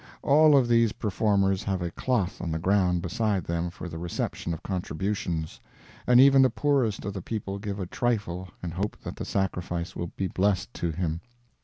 All of these performers have a cloth on the ground beside them for the reception of contributions, and even the poorest of the people give a trifle and hope that the sacrifice will be blessed to him.